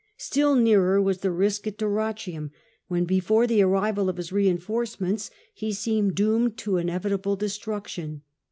Still nearer was the risk at Dyrrhachinm, when, before the arrival of his rein forcements, he seemed doomed to inevitable destruction.